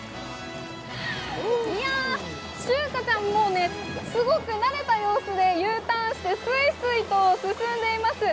いや、シュウカちゃん、慣れた様子でＵターンしてすいすいと進んでいます。